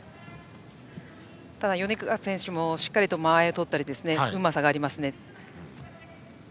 ただ、米川選手もしっかりと間合いをとったりとうまさがありますね。